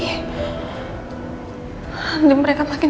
harus sakit sakit perutku sakit